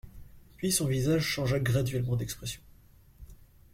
Puis son visage changea graduellement d'expression.